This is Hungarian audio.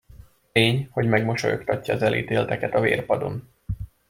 Tény, hogy megmosolyogtatja az elítélteket a vérpadon.